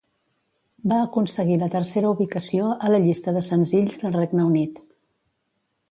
Va aconseguir la tercera ubicació a la llista de senzills del Regne Unit.